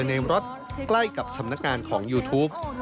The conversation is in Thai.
ในรถใกล้กับสำนักงานของยูทูป